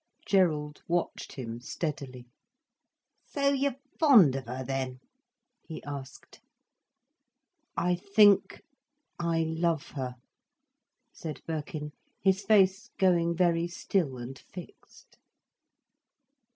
Gerald watched him steadily. "So you're fond of her then?" he asked. "I think—I love her," said Birkin, his face going very still and fixed.